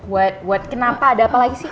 what kenapa ada apa lagi sih